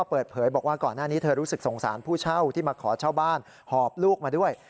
เปิดเผยบอกว่าก่อนหน้านี้เธอรู้สึกสงสารผู้เช่าที่มาขอเช่าบ้านหอบลูกมาด้วย